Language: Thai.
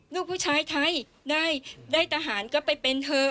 ลูกผู้ชายไทยได้ทหารก็ไปเป็นเธอ